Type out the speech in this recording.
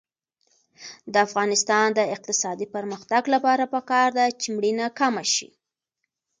د افغانستان د اقتصادي پرمختګ لپاره پکار ده چې مړینه کمه شي.